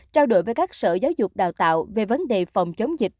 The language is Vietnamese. trao đổi với các sở giáo dục đào tạo về vấn đề phòng chống dịch